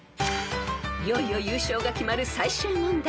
［いよいよ優勝が決まる最終問題］